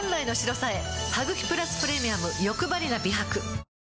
「ハグキプラスプレミアムよくばりな美白」